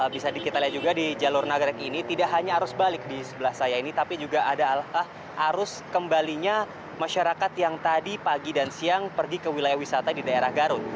bisa kita lihat juga di jalur nagrek ini tidak hanya arus balik di sebelah saya ini tapi juga ada arus kembalinya masyarakat yang tadi pagi dan siang pergi ke wilayah wisata di daerah garut